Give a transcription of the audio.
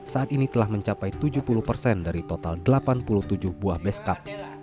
saat ini telah mencapai tujuh puluh persen dari total delapan puluh tujuh buah beskap